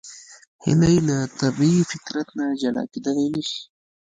هیلۍ له طبیعي فطرت نه جلا کېدلی نشي